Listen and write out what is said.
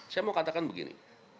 saya mau katakan begini